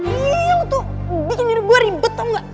iyy untuk bikin diri gue ribet tau gak